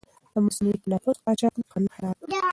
د مصنوعي تنفس قاچاق د قانون خلاف دی.